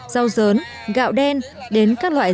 rau giớn gạo đen đến các loại